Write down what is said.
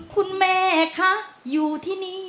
คุณแม่คะอยู่ที่นี่